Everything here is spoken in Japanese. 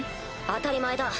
当たり前だ。